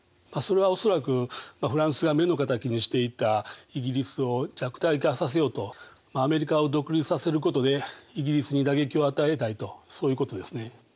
それは恐らくフランスが目の敵にしていたイギリスを弱体化させようとアメリカを独立させることでイギリスに打撃を与えたいとそういうことですね。